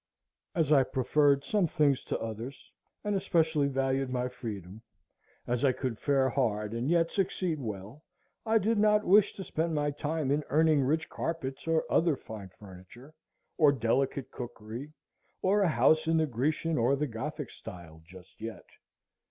As I preferred some things to others, and especially valued my freedom, as I could fare hard and yet succeed well, I did not wish to spend my time in earning rich carpets or other fine furniture, or delicate cookery, or a house in the Grecian or the Gothic style just yet.